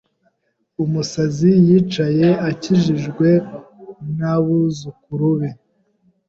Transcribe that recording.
Umusaza yicaye akikijwe n'abuzukuru be.